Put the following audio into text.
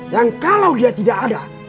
yang kalau dia tidak ada